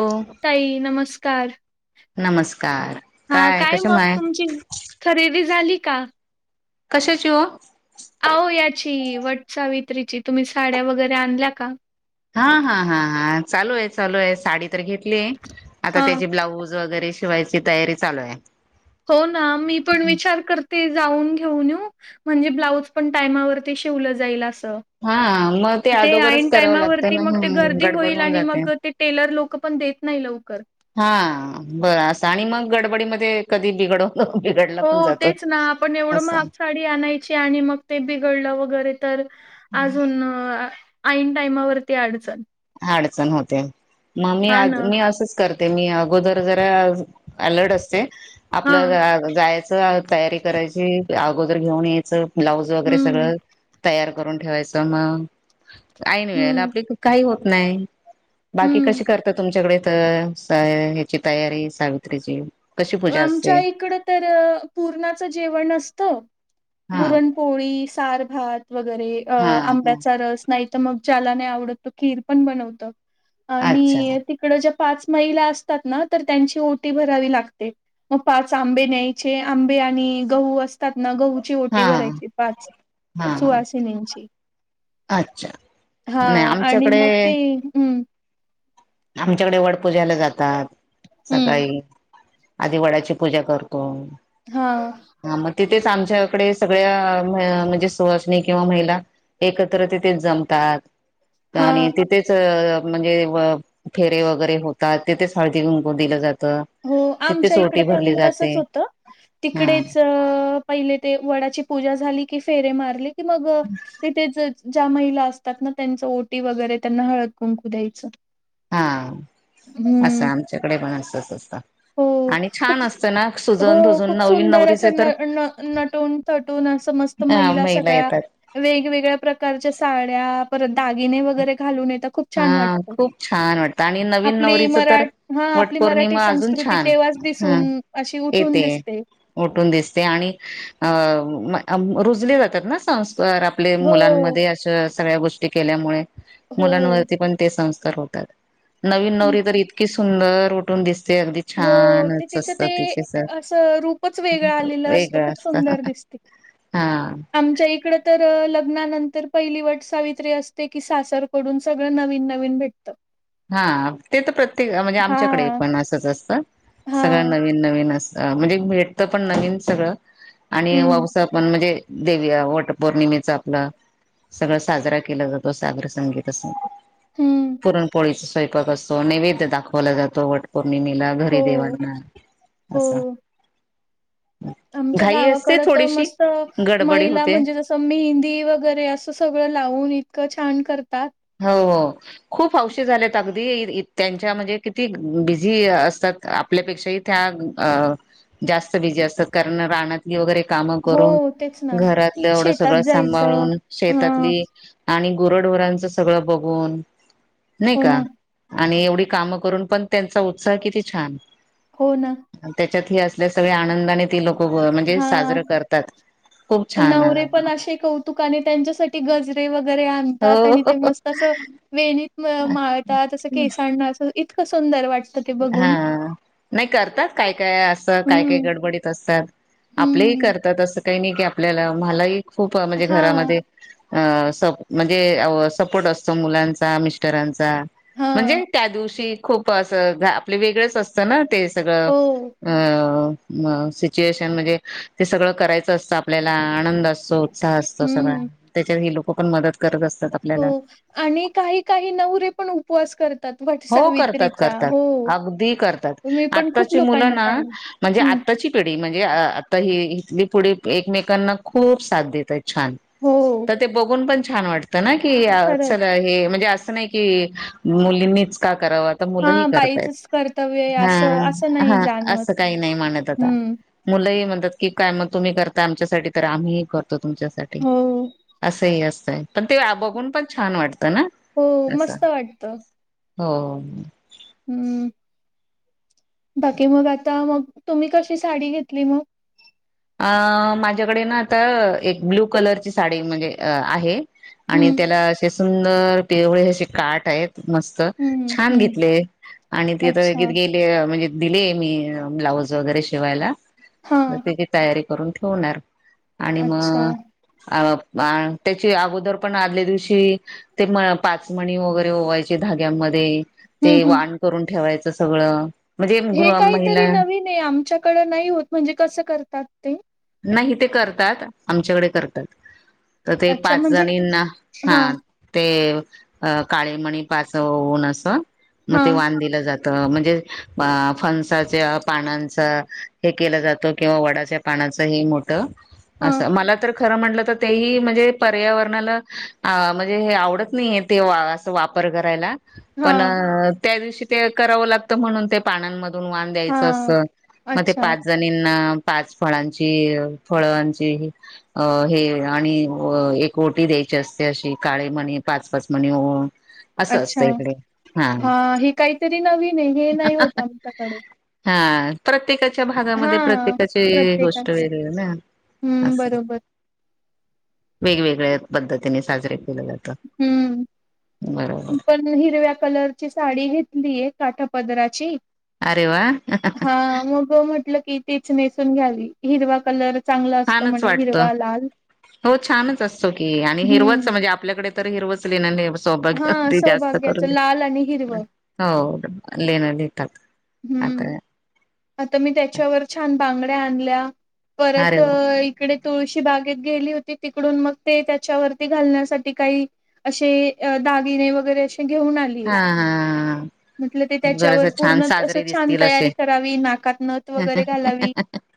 हो ताई नमस्कार. नमस्कार हा काय कशा कायमग माय तुमची खरेदी झाली का कशाची ओ आओ याची वटसावित्रीची तुम्ही साड्या वगैरे आणल्या का हाहा हाहा चालूए चालूहे साडी तर घेतलीय आता हा. त्याची ब्लाऊज वगैरे शिवायची तयारी चालू आहे होना मीपण विचार कर ते जाऊन घेऊन येऊ म्हणजे ब्लाऊज पण टायमावरती शिवलं जाईल अस हा मग ते अदोगरच ऐन करावं लागतं टायमावरती ना मग ह ते गर्दी गडबड होईल होऊन आणि जाते मग ते टेलर लोकं पण देत नाही लवकर हा बरं असं आणि मग गडबडीमध्ये कधी बिघडो हो तेचना आपण एवढं महाग असं साडी आणायची आणि मग ते बिघडलं वगैरे तर अजून ऐन टाइमावरती अडचण. अडचण होते ममी हा अस ना. मी असच करते. ते मी अगोदर जरा अलर्ड असते. हा. आपलं जायचं तयारी करायची अगोदर घेऊन यायचं. ब्लाऊज वगैरे हम्म. सगळं तयार करून ठेवायचं म ऐन वेळेला हम्म. आपली चूक काही होत नाही बाकी हम्म कशी करता तुमच्याकडे त साय ह्याची तयारी सावित्रीची. कशी पूजा आमच्या असते? इकडं तर पुरणाचं जेवण असतं. हा पुरणपोळी सार, भात वगैरे अ हा ह आंब्याचा रस नाही तर मग ज्याला नाही आवडत त खीर पण बनवतात. अच्छा आणी तिकडं ज्या पाच महिला असतात ना तर त्यांची ओटी भरावी लाग ते मग पाच आंबे न्यायचे आंबे आणि गहू अस तात ना गहूची हा ओटी भरायची पाच हा हा सुवासिनींची. अच्छा हा नाही आणि मग ते आमच्याकडे हम्म. आमच्याकडे वड पूजायला जातात हम्म सकाळी आधी वडाची पूजा करतो. हा. तेच आमच्याकडे सगळ्या म्हणजे सुवासणी किंवा महिला एकत्र तिथेच जमतात हा आणि तिथेच म्हणजे फेरे वगैरे होतात तेथे साळजी गुंकून दिलं जातं. हो आमच्या तिथेच इकड ओटी भरली पण तसच जाते होतं हा तिकडेच पहिले ते वडाची पूजा झाली की फेरे मारली की मग तिथेच ज्या महिला असतात ना त्यांच ओटी वगैरे त्यांना हळद कुंकू द्यायचं. हा हम्म असं आमच्याकडे पण असच असतं. हो. आणि खप छान असतं ना हो सुजून धुजून खूप नवीन सुंदर अस नवरीचे न तर न नटून तटून असं मस्त ह महिला येतात. वेगवेगळ्या प्रकारच्या साड्या परत दागिने वगैरे घालून येत खूप छान हा वाटत खूप छान वाटतं आणि नवीन आपली नवरीचं मरा तर हा आपली मराठी वटपौर्णिमा सं अजून स्कृती छान. तेव्हाच हा दिसून अशी उठून येते दिसते. उठून दिसते आणि अ रुजले जातात ना संस्कार आपल्या हो मुलांमध्ये अशा सगळ्या गोष्टी केल्यामुळे. हो मुलांवरती पण ते संस्कार होतात नवीन हम्म. नवरी तर इतकी सुंदर उठून दिस हो ते तिचं ते सर असं रूपच वेगळं आलेलं असतं वेगळं खूप असत सुंदर दिसते. हा आमच्या इकड तर लग्नानं तर पहिली वट सावित्री असते की सासरकडून सगळं नवीन नवीन भेटतं. हा ते तर प्रत्येक म्हणजे हा आमच्याकडे पण असंच असतं हा सगळं नवीन नवीन अस अ म्हणजे भेटतं पण नवीन सगळं आणि हम्म वाऊसा पण म्हणजे देव या वटपौर्णिमेचा आपलं सगळं साजरा केला जातो सागर संगीत असं. हम्म पुरणपोळीचा स्वयंपाक असतो, नैवेद्य दाखवला जातो वट पौर्णिमेला घरी हो देवांना हो असं. आमच्या घाई असते गावाकड तर थोडीशी मस्त गडबडी महिला होते म्हणजे जसं मेहंदी वगैरे असं सगळं लावून इतकं छान करतात. हो हो खूप हौशी झालेत अगदी त्यांच्या म्हणजे किती बिझी असतात. आपल्यापेक्षा त्या जास्त बिझी असतात कारण रानातली वैगेरे काम करून हो तेच ना घरातलं एवढं शेतात सगळं जायचं सांभाळून ह शेतातली आणि गोरडोरांच सगळं बघून नाही हो का. ना आणि एवढी कामं करून पण त्यांचा उत्साह किती छान. हो ना. त्याच्यात ह असल्या सगळ्या आनंदाने त लोक म्हणजे हा साजरं करतात. खूप छान नवरे पण असे कौतुक आणि त्यांच्यासाठी गजरे वगैरे तात आणि ते हो मस्त अस वेणीत माळतात अस केसांना आस इ सुंदर वाटत हा नाही करतात काय काय असं काय काय हम्म, गडबडीत असतात. आपलेही हम्म. करतात असं काही नाही की आपल्याला मलाही खूप म्हणजे हां, घरामध्ये अ म्हणजे सपोर्ट असतो मुलांचा मिस्टरांचा हां. म्हणजे त्या दिवशी खूप असं आपले वेगळेच असतं ना ते सगळं हो. अ अ सिच्युएशन म्हणजे ते सगळं करायचं असतं आपल्याला आनंद अस उत्साह असतो. सगळ हम्म. त्याच्या ही लोक पण मदत करत असत हो आणि काही काही नवरे पण उपवास करत हो करतात करतात. अगदी करतात मी पण खूप आत्ताची मुलं लोकांना ना पाहिलं. म्हणजे आत हं. आताची पिढी म्हणजे आता ही इथली पुढे एकमेकांना खूप साथ देतायेत. छान हो. तर ते बघून पण छान वाटतं ना की च खरंच. हे म्हणजे नाही कि मुलीनी कराव आता मुल ही हां करता येत. बाईचच कर्तव्य आहे असं असं ह नाही हा जाणवत. अस काही नाही मानत आता हं. मुलंही म की काय मग तुम्ही करता आमच्यासाठी तर आम्ही करतो तुमच्यासाठी हो. असंही असतंय. पण ते आ बघून पण छान वाट हो मस्त वाटत. हो. हम्म. बाकी मग आता मग तुम्ही कशी साडी घेतली मग? अ माझ्याकडे ना आता एक ब्ल्यू कलरची साडी म्हणजे अ आहे. आणि हं, त्याला असे सुंदर पिवळे असे काठ आहेत. मस्त हं, हं. छान हं. घेतले आणि तिथ अच्छा. गेले म्हणजे दिले मी ब्लाऊज वगैरे शिवायला. हां. रे करून ठेवणार आणि म अच्छा. आ अं त्याची अगोदर पण आदल्या दिवशी ते म पाचमणी वगैरे वायचे धाग्यामध्ये हं, ते हं. वाण करून ठेवायचं सगळं. म्हणजे हे गृह काहीतरी महिला नवीन ए आमच्याकडं नाई होत. म्हणजे कसं करतात ते? नाही ते करतात आमच्याकडे करतात. तर ते अच्छा पाच म्हणजे जणींना हा हां, ते अ काळेमणी पाच ओऊन असं मग ते हां, वान दिलं जात त म्हणजे फणसाच्या पानांचा हे केला जात, किंवा वडाच्या पानाच त हे मोठ अस हां, मला तर खर म्हटलं तर तेही म्हणजे पर्यावरणाला आ म्हणजे आवडत नाही ते आ अस वाप पर करायला पण हां, त्या दिवशी ते कराव लागत म्हनुन ते पानांन धून वान द्यायच असत हां. मग अच्छा, पाच जणीना पाच फळां ची फळांची अ हे आणि एक ओटी द्यायची असते अशी काळे मणी पाच पाच मणी ओऊन. अच्छा हा हे काहीतरी नवीन ए हे नाई होत आमच्याकडे. हा प्रत्येकाच्या भागामध्ये हां. प्रत्येकाचे गोष् ठ प्रत्येकाच वेगळे ना हं, अस बरोबर. वेगवेगळ्या पद्धतीने साजरे केलं जात. मी पण हिरव्या कलरची साडी घेतली ए काठापदराची. अरे वा हा मग म्हटलं की तीच नेसून घ्यावी हिरवा कलर चांगला असतो छानच म्हणे वाटत हिरवा लाल हो छानच असतो की आणि हम्म हिरवाच म्हणजे आपल्याकडे तर हिरवच लेन लय व सोबद हा अगदी जास्त सौभाग्याच करून लाल आणि ते हिरवं हो लेन लिहितात. हम्म. आता आता मी त्याच्यावर छान बांगड्या आणल्या परत अरे वा इकडे तुळशी बागेत गेली होती तिकडून मग ते त्याच्यावरती घालण्यासाठी काही असे अ दागिने वगैरे अश ते घेऊन आलीये हा हा म्हटलं ते गरज त्याच्यावर छान पूर्णच अस साजरे छान दिसतील तयारी असे कर वी नाकात नत वगैरे घालावी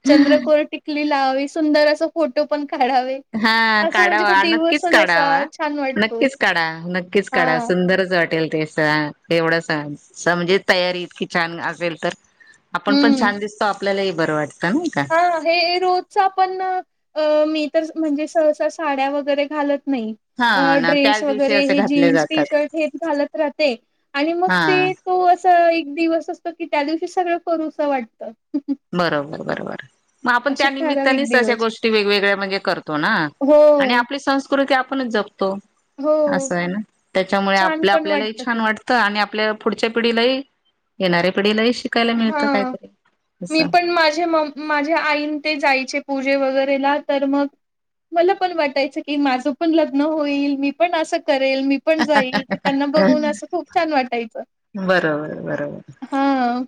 चंद्रकोर टिकली लावावी सुंदर अस फोटो पण का हा काढावा नक्कीच असा काढावा छान वाटतो. नक्कीच काढा नक्कीच काढा हां, सुंदरच वाटेल ते स तेवढसं स म्हणजे तयारी इतकी छान असेल तर आपण पण छान दिसतो आपल्यालाही बरं वाट हा हे रोजचा पण अ मी तर म्हणजे सहसा साड्या वगैरे घालत नाई. अ हा ना ड्रेस त्याच दिवशी वगैरे असे हे घातले जीन्स टी जातात शर्ट हेच घालत राहते आणि मग हा ते तो अस स एक दिवस असतो की त्या दिवशी सगळं करू वाटत. बरोबर बरोबर. मग आपण त्या ठराविक निमित्तानेच अशा दिवस. गोष्टी वेगवेगळ्या म्हणजे करतो ना हो. आणि आपली संस कृती आपण जपतो हो, अस हाय ना त्यामुळे आप छान पण आपल्याला वाटतं छान ते. वाटत आणि आप पल्या पुढच्या पिढीलाही येणाऱ्या पिढीलाही शिकायला मिळतं हां. काहीतरी. मी असं पण माझे म माझ्या आईन ते जायचे पूजे वगैरेला तर मग मला पण वाटायचं की माझं पण लग्न होईल मी पण असं करेल मी पण जाईल त्यांना बघून असं खूप छान वाटायचं. बरोबर बरोबर. हां.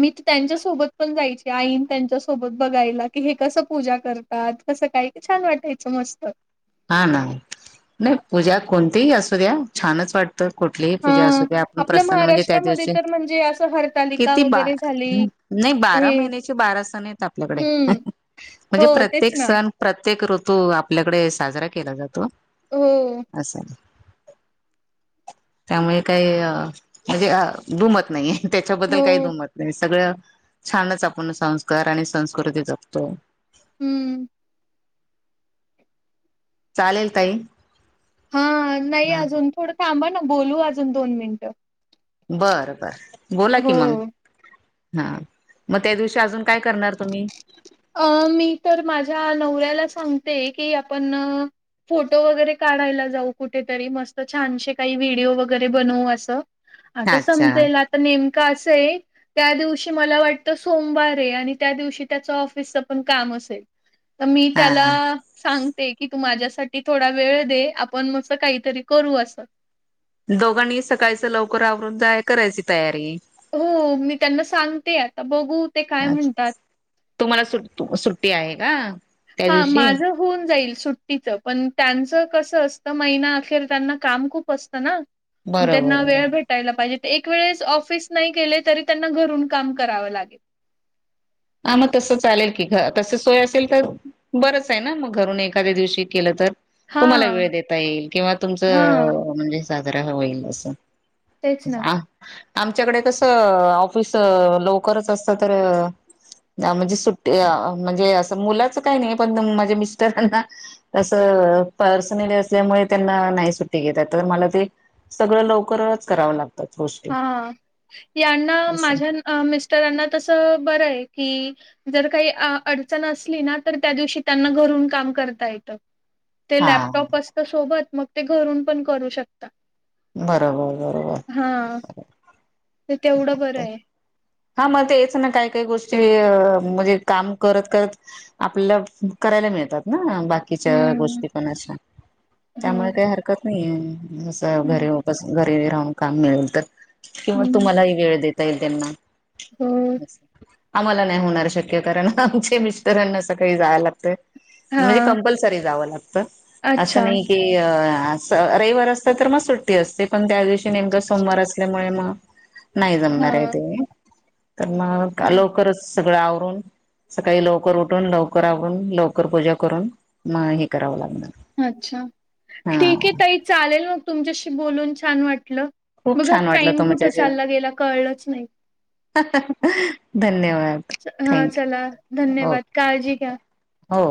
मी तर त्यांच्यासोबत पण जायची आईन त्यांच्यासोबत बघायला की हे कसं पूजा करतात. तसं काय की छान वाटायचं मस्त. हा ना नाही पूजा कोणतीही असू द्या छानच वाटते. तर कुठलीही पूजा असू हां. द्या आपण आपल्या प्रसन्न म्हणजे त्या महाराष्ट्रामध्ये दिवशी तर म्हणजे असं हरतालिका किती बा वगैरे झाली. नाही बारा हे महिन्याचे बारा सण आहेत आपल्याकडे हं. हो म्हणजे तेच प्रत्येक ना. सण प्रत्येक प्रत्येक ऋतू आपल्याकडे साजरा केला जातो. हो. असं त्यामुळे काही अ म्हणजे अ दुमत नाहीये. त्याच्याबद्दल काही हो. दुमत नाही सगळं छानच आपण संस्कार आणि संस्कृती जगतो. हं. चालेल ताई. हा नाही ह अजून थोडं थांबा ना बोलू अजून दोन मिनिटं. बरं बर बोला कि मग हो. हा मग त्या दिवशी अजून काय करणार तुम्ही? अ मी तर माझ्या नवऱ्याला सांगते की आपण फोटो वगैरे काढायला जाऊ कुठेतरी मस्त छानशे काही व्हिडिओ वगैरे बनवू असं आता अच्छा समजेल आता नेमकं असं आहे. त्या दिवशी मला वाटत सोमवार आहे आणि त्या दिवशी त्याचा ऑफिस ऑफिसच काम असेल तर मी हा त्याला सांगते कि तू माझ्यासाठी थोडा वेळ दे आपण मस्त काहीतरी करू असं दोघांनी सकाळचं लवकर आवरून तैयार करायची तैयारी हो मी त्यांना सांगते आता बघू ते काय म्हणतात. तुम्हाला सुट सुट्टी आहे का? त्या हा दिवशी माझं होऊन जाईल. सुट्टीचं पण त्यांचं कसं असतं महिना अखेर त्यांना काम खूप असतं ना. मग त्यांना बरोबर. वेळ भेटायला पाहिजे एक वेळेस ऑफिस नाही गेले तरी त्यांना घरून काम कराव लागेल. हा मग तसं चालेल की तसं सोय असेल तर बरंच आहे ना मग घरून एखाद्या दिवशी केलं तर. हा तुम्हाला वेळ देता येईल किंवा हा तुमचं म्हणजे साजरा होईल असं. तेच ना आमच्याकडे कसं ऑफिस लवकरच असतं तर म्हणजे सुट्टी म्हणजे असं मुलाच काही नाही पण माझ्या मिस्टरांना असं पर्सनली असल्यामुळे त्यांना नाही सुट्टी घेतात तर मला ते सगळं लवकरच करावं लागतं. हा यांना असं माझ्या मिस्टरांना तसं बरं आहे. कि जर काही अडचण असली ना तर त्या दिवशी त्यांना घरून काम करता येतं. ते हा लॅपटॉप असतं सोबत मग ते घरून पण करू शकता. बरोबर बरोबर. तर तेवढं बरं आहे. हा मग तेच ना काही काही गोष्टी म्हणजे काम करत करत आपल्याला कराय मिळतात ना बाकीच्या हम्म गोष्टी पण अशा त्यामुळे हम्म काही हरकत नाही. घरी घरी राहून काम मिळेल तर किंवा हम्म तुम्हालाही वेळ देत. देता येईल त्यांना हो असं आम्हाला नाही होणार शक्य कारण आमच्या मिस्टरांना सकाळी जायला लागतं. हा म्हणजे कंपल्सरी जावं लागतं अच्छा असं नाही की रविवार असता तर मग सुट्टी असते पण त्या दिवशी नेमका सोमवार असल्यामुळे मग नाही हा जमणार ते. तर मग हा लवकरच सगळं आवरून सकाळी लवकर उठून लवकर आवरून लवकर पूजा करून मग हे करावं लागणार अच्छा हा ठीक आहे ताई चालेल मग तुमच्याशी बोलून छान वाटलं खूप बघा छान वाटलं टाइम कुठं तुमच्याशी चालला गेला कळलंच नाही बर हा चला धन्यवाद ओके काळजी घ्या हो